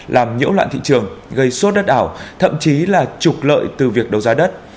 làm nhễu loạn thị trường gây xốt đất ảo thậm chí là trục lợi từ việc đấu giá đất